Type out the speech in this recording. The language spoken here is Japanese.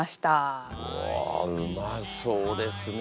うわうまそうですね。